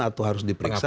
atau harus diperiksa